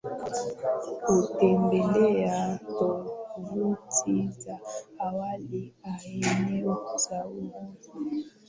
kutembelea tovuti za awali maeneo ya uzuri na